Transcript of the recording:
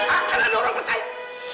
akan ada orang percaya